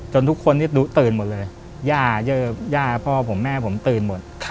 จนทุกคนตื่นหมดเลยย่าพ่อผมแม่ผมตื่นหมด